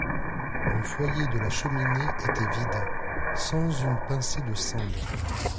Le foyer de la cheminée était vide, sans une pincée de cendre.